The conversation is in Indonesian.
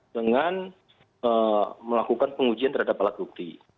dengan melakukan pengujian terhadap alat bukti